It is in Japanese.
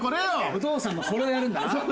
お父さんもこれをやるんだな。